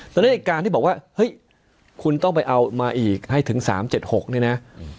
ดังนั้นการที่บอกว่าเฮ้ยคุณต้องไปเอามาอีกให้ถึง๓๗๖เนี่ยนะ